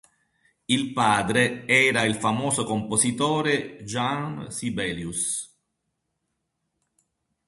Il padre era il famoso compositore Jean Sibelius.